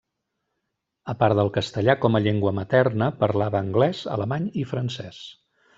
A part del castellà com a llengua materna, parlava anglès, alemany i francès.